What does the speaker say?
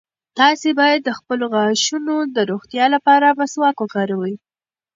تاسي باید د خپلو غاښونو د روغتیا لپاره مسواک وکاروئ.